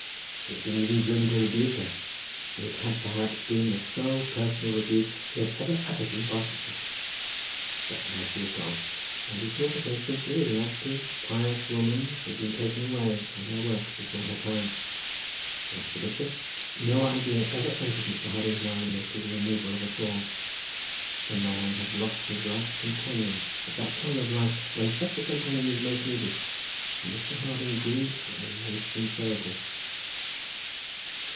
He had been even driven to rebuke her, and it had perhaps been the only personal rebuke which he had ever uttered in Barchester. But now she was gone; and he thought of her simply as an active pious woman, who had been taken away from her work before her time. And for the bishop, no idea ever entered Mr. Harding's mind as to the removal of a thorn. The man had lost his life's companion at that time of life when such a companion is most needed; and Mr. Harding grieved for him with sincerity.